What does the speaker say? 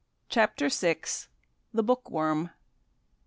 CHAPTER VI. THE BOOKWORM.